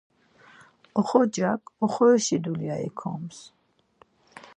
Oxorcak oxorişi dulya ikoms.